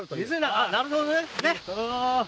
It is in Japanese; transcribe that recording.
あっなるほどね。